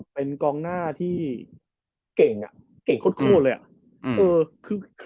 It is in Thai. เป็นกองหน้าที่เก่งค่อนข้างออก